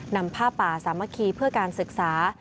นำผ้าป่าสามัคคีเพื่อการศึกษา